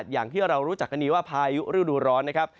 อย่างที่เรารู้จักกันดีว่าพายุฤดูร้อนนะครับ